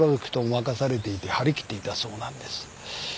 任されていて張り切っていたそうなんです。